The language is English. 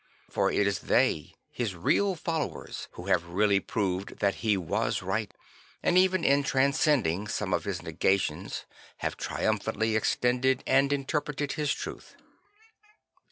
For it is they, his real followers, who have really proved that he was right and even in transcending some of his nega tions ha ve triumphantly extended and interpreted his truth.